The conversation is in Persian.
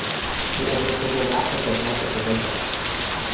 او عمر خود را وقف خدمت به خدا کرد.